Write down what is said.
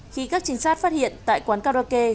khi các chính sát phát hiện tại quán karaoke